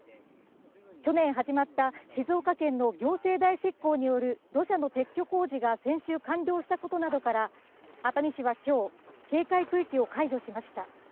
去年始まった静岡県の行政代執行による土砂の撤去工事が先週、完了したことなどから熱海市はきょう警戒区域を解除しました。